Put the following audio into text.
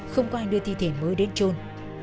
không có ai đưa thi thể mới đến trôn